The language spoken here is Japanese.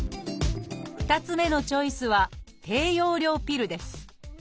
２つ目のチョイスは「低用量ピル」です。